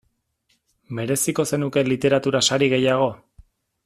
Mereziko zenuke literatura sari gehiago?